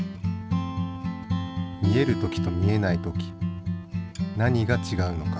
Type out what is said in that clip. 見える時と見えない時何がちがうのか。